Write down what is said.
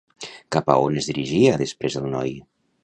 Cap a on es dirigia després el noi?